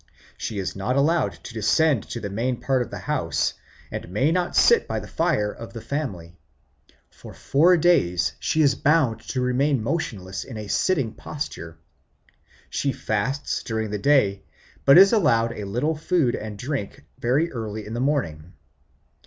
She is not allowed to descend to the main part of the house, and may not sit by the fire of the family. For four days she is bound to remain motionless in a sitting posture. She fasts during the day, but is allowed a little food and drink very early in the morning.